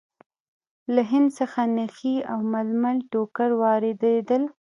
له هند څخه نخي او ململ ټوکر واردېدل.